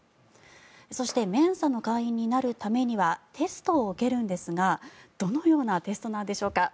そしてメンサの会員になるためにはテストを受けるんですがどのようなテストなんでしょうか。